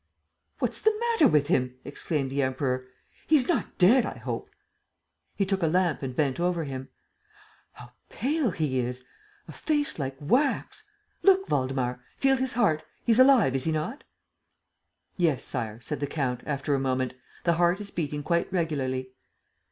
"What's the matter with him?" exclaimed the Emperor. "He's not dead, I hope!" He took a lamp and bent over him: "How pale he is! A face like wax! ... Look, Waldemar. ... Feel his heart. ... He's alive, is he not?" "Yes, Sire," said the count, after a moment, "the heart is beating quite regularly."